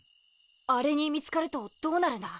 あれに見つかるとどうなるんだ？